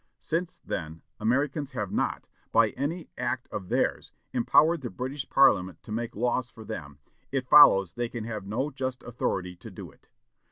Since, then, Americans have not, by any act of theirs, empowered the British Parliament to make laws for them, it follows they can have no just authority to do it....